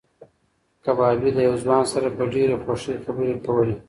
کبابي د یو ځوان سره په ډېرې خوښۍ خبرې کولې.